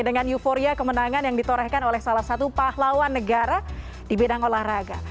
dengan euforia kemenangan yang ditorehkan oleh salah satu pahlawan negara di bidang olahraga